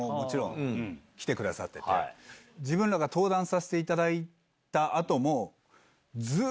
自分らが登壇させていただいた後も。